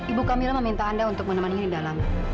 ibu kamila meminta anda untuk menemani dia di dalam